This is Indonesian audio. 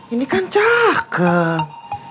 ini kan cakep